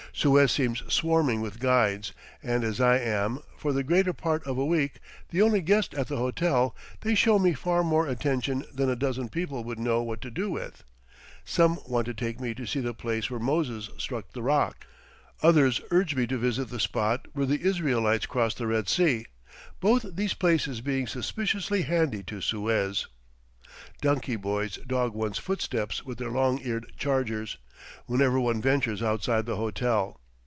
Suez seems swarming with guides, and as I am, for the greater part of a week, the only guest at the hotel, they show me far more attention than a dozen people would know what to do with. Some want to take me to see the place where Moses struck the rock, others urge me to visit the spot where the Israelites crossed the Red Sea; both these places being suspiciously handy to Suez. Donkey boys dog one's footsteps with their long eared chargers, whenever one ventures outside the hotel.